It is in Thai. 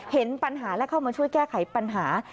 เห็นปัญหาและเข้ามาช่วยแก้ไขปัญหา